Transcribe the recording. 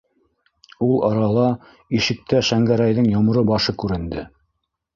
Ул арала ишектә Шәңгәрәйҙең йомро башы күренде: